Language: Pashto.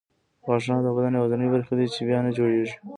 غاښونه د بدن یوازیني برخې دي چې بیا نه جوړېږي.